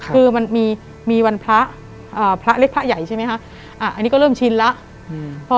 คือมันมีมีวันพระอ่าพระเรียกพระใหญ่ใช่ไหมฮะอ่าอันนี้ก็เริ่มชินแล้วอืม